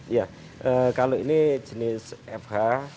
iya kalau ini jenis fh